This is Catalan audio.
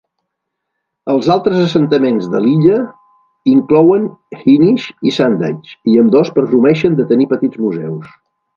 Els altres assentaments de l'illa inclouen Hynish i Sandaig, i ambdós presumeixen de tenir petits museus.